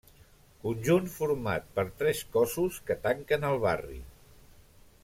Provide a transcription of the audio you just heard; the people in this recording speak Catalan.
Conjunt format per tres cossos que tanquen el barri.